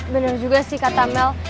benar juga sih kata mel